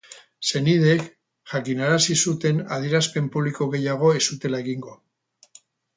Senideek jakinarazi zuten adierazpen publiko gehiago ez zutela egingo.